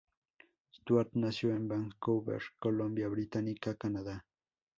Stuart nació en Vancouver, Columbia Británica, Canadá.